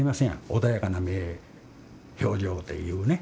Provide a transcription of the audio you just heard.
穏やかな目表情っていうね。